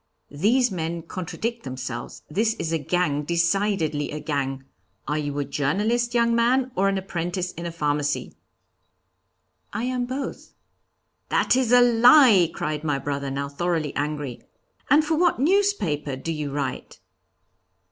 'These men contradict themselves; this is a gang, decidedly a gang are you a journalist, young man, or an apprentice in a pharmacy?' 'I am both.' 'That is a lie!' cried my brother, now thoroughly angry. 'And for what newspaper do you write?'